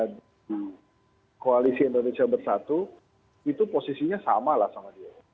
di koalisi indonesia bersatu itu posisinya sama lah sama dia